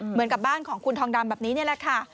เหมือนกับบ้านของคุณทองดำแบบนี้นี่แหละค่ะ